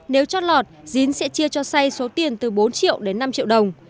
nếu chót lọt dín sẽ chia cho say số tiền từ bốn triệu đến năm triệu đồng